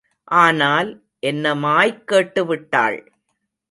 ஆனால் என்னமாய்க் கேட்டு விட்டாள்.